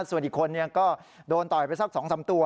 ส่วนอีกคนก็โดนต่อยไปสัก๒๓ตัว